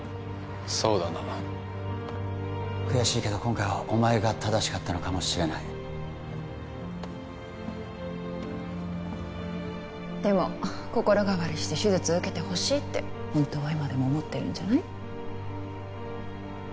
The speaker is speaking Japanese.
そうだな悔しいけど今回はお前が正しかったのかもしれないでも心変わりして手術受けてほしいって本当は今でも思ってるんじゃない？